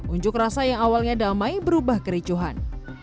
unjuk rasa yang awalnya damai berubah kericuhan